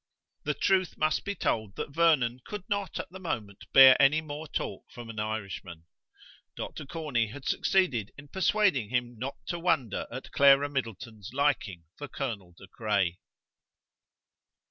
The truth must be told that Vernon could not at the moment bear any more talk from an Irishman. Dr. Corney had succeeded in persuading him not to wonder at Clara Middleton's liking for Colonel de Craye.